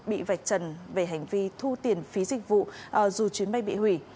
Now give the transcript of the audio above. bị vạch trần về hành vi thu tiền phí dịch vụ dù chuyến bay bị hủy